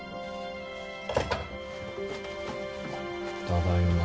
ただいま。